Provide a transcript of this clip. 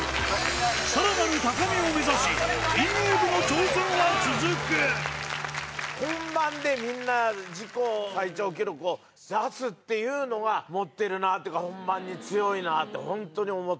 さらなる高みを目指し本番でみんな自己最長記録を出すっていうのが持ってるなっていうか本番に強いなって本当に思った。